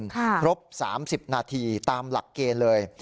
ครบ๓๐นาทีตามหลักเกณฑ์เลย